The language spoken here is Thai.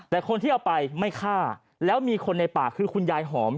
แต่คนที่เอาไปไม่ฆ่าแล้วมีคนในป่าคือคุณยายหอม